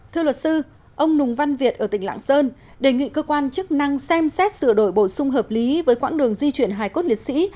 thưa luật sư ông nùng văn việt ở tỉnh lạng sơn đề nghị cơ quan chức năng xem xét sửa đổi bổ sung hợp lý với quãng đường di chuyển hài cốt liệt sĩ